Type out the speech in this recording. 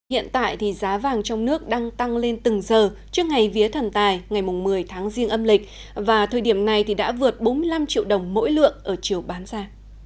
hiện tại thì giá vàng trong nước đang tăng lên từng giờ trước ngày vía thần tài ngày một mươi tháng riêng âm lịch và thời điểm này đã vượt bốn mươi năm triệu đồng mỗi lượng ở chiều bán ra